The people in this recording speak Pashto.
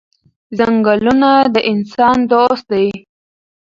ځنګلونه د انسان دوست دي.